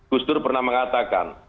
gusdur pernah mengatakan